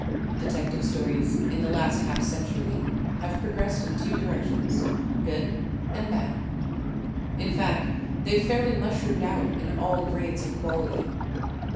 Detective Stories in the last half centur> have progressed in two directions, good and bad. In fact they have fairly mushroomed out in all grades of quality.